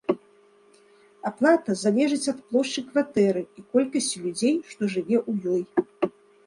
Аплата залежыць ад плошчы кватэры і колькасці людзей, што жыве ў ёй.